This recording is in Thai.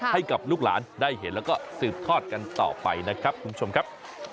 ให้กับลูกหลานได้เห็นแล้วก็สืบทอดกันต่อไปนะครับคุณผู้ชมครับ